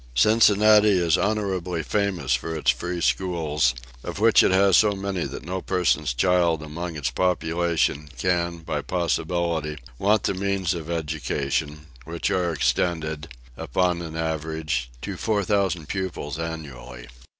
Cincinnati is honourably famous for its free schools, of which it has so many that no person's child among its population can, by possibility, want the means of education, which are extended, upon an average, to four thousand pupils, annually.